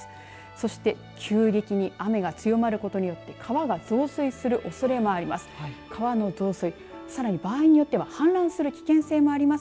そして急激に雨が強まることによって川が増水するおそれもあります。